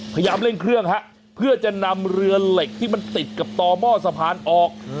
พยายามเร่งเครื่องฮะเพื่อจะนำเรือเหล็กที่มันติดกับต่อหม้อสะพานออก